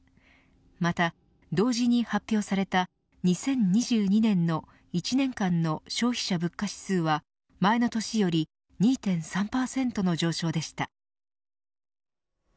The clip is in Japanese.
また同時に発表された２０２２年の一年間の消費者物価指数は前の年より２．３％の上昇でした。